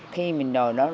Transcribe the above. khi mình nhồi đó